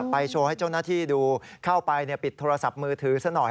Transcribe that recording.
โชว์ให้เจ้าหน้าที่ดูเข้าไปปิดโทรศัพท์มือถือซะหน่อย